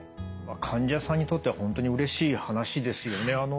患者さんにとっては本当にうれしい話ですよね。